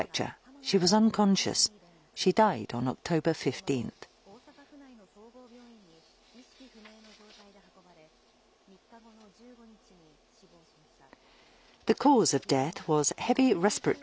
その後、大阪府内の総合病院に意識不明の状態で運ばれ、３日後の１５日に死亡しました。